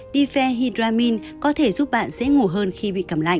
diferhydramin có thể giúp bạn dễ ngủ hơn khi bị cầm lạnh